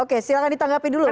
oke silahkan ditanggapi dulu